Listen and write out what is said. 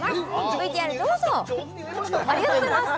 ＶＴＲどうぞありがとうございます